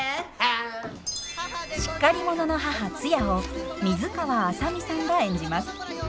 しっかり者の母ツヤを水川あさみさんが演じます。